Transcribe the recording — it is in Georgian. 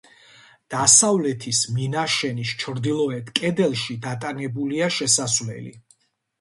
დასავლეთის მინაშენის ჩრდილოეთ კედელში დატანებულია შესასვლელი.